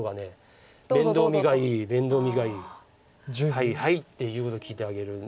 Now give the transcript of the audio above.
「はいはい」って言うこと聞いてあげるんで。